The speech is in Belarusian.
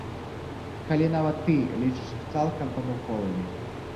Калі нават ты лічыш іх цалкам памылковымі.